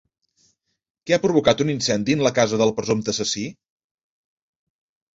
Qui ha provocat un incendi en la casa del presumpte assassí?